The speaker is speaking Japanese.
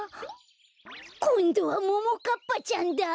こんどはももかっぱちゃんだ！